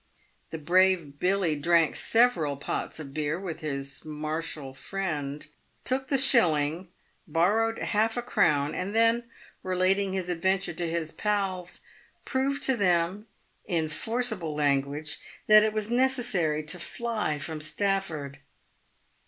The brave Billy drank several pots of beer with his martial friend, took the shilling, borrowed half a crown, and then, relating his adventure to his pals, proved to them, in forcible language, that it was necessary to fly from Stafford.